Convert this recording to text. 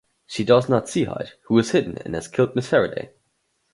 She does not see Hyde, who is hidden and has killed Mrs Farraday.